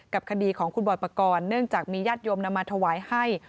คดีของคุณบอยปกรณ์เนื่องจากมีญาติโยมนำมาถวายให้